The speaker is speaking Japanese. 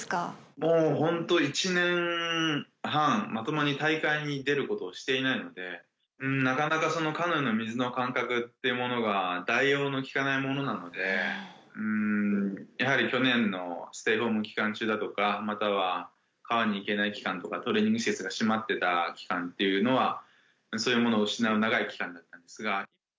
もう本当、１年半、まともに大会に出ることをしていないので、なかなかそのカヌーの水の感覚というものが、代用の利かないものなので、やはり去年のステイホーム期間中だとか、または、川に行けない期間とか、トレーニング施設が閉まってた期間っていうのは、そういうものを失う長い期間だったんですが。